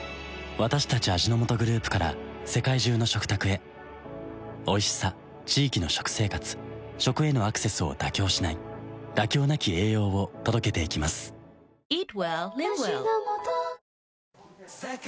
私たち味の素グループから世界中の食卓へおいしさ地域の食生活食へのアクセスを妥協しない「妥協なき栄養」を届けていきますの